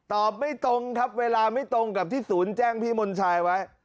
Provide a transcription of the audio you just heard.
ไม่ตรงครับเวลาไม่ตรงกับที่ศูนย์แจ้งพี่มนชายไว้